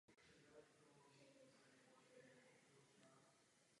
Parlament musí v tomto boji přijmout přísná a důsledná opatření.